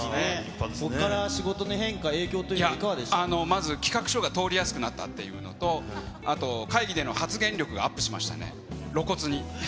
ここから仕事の変化、影響とまず企画書が通りやすくなったというのと、あと会議での発言力がアップしましたね、露骨に。